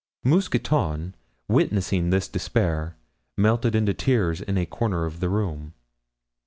Mousqueton, witnessing this despair, melted into tears in a corner of the room.